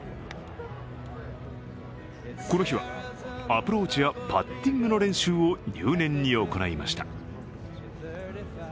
この日は、アプローチやパッティングの練習を入念に行いました。